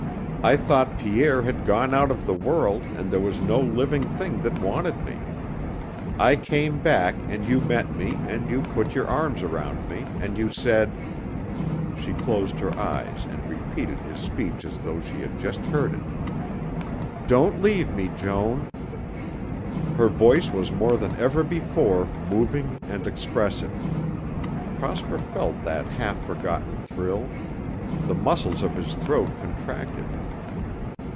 I thought Pierre had gone out of the world and there was no living thing that wanted me. I came back and you met me and you put your arms round me and you said" she closed her eyes and repeated his speech as though she had just heard it "'Don't leave me, Joan.'" Her voice was more than ever before moving and expressive. Prosper felt that half forgotten thrill. The muscles of his throat contracted.